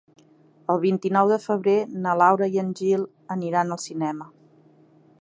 El vint-i-nou de febrer na Laura i en Gil aniran al cinema.